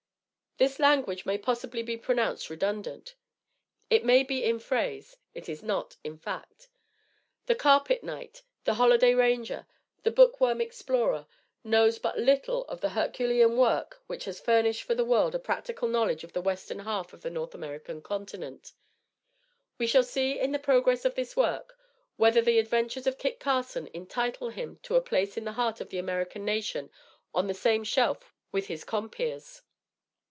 This language may possibly be pronounced redundant. It may be in phrase; it is not in fact. The carpet knight, the holiday ranger, the book worm explorer, knows but little of the herculean work which has furnished for the world a practical knowledge of the western half of the North American continent. We shall see in the progress of this work whether the adventures of Kit Carson entitle him to a place in the heart of the American nation on the same shelf with his compeers.